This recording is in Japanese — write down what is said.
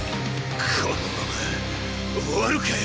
このまま終わるかよ！